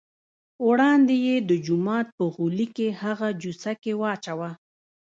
وړاندې یې د جومات په غولي کې هغه جوسه کې واچوه.